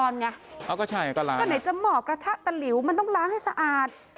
แต่หน่อยจะหมอบกระทะตะลิวมันต้องล้างให้สะอาด